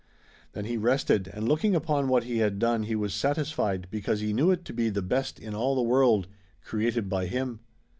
Then he rested and looking upon what he had done he was satisfied because he knew it to be the best in all the world, created by him."